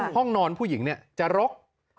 ห้องนอนผู้หญิงจะรก